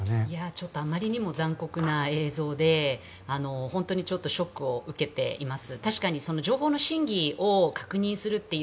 ちょっとあまりにも残酷な映像で本当にショックを受けています。